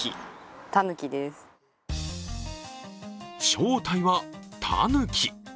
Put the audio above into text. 正体はたぬき。